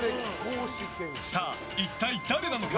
さあ、一体誰なのか？